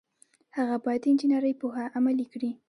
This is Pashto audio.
هغه باید د انجنیری پوهه عملي کړي.